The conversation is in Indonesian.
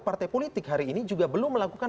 partai politik hari ini juga belum melakukan